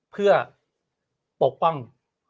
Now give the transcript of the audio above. เพื่อปกป้อง